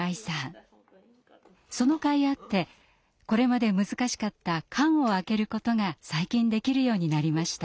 そのかいあってこれまで難しかった缶を開けることが最近できるようになりました。